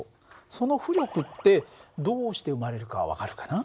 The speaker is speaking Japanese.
その浮力ってどうして生まれるかは分かるかな？